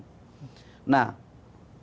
nah di indonesia bagaimana